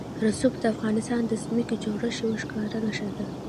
رسوب د افغانستان د ځمکې د جوړښت یوه ښکاره نښه ده.